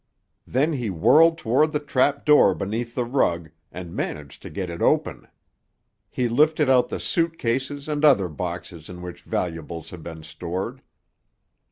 Then he whirled toward the trapdoor beneath the rug, and managed to get it open. He lifted out the suit cases and other boxes in which valuables had been stored.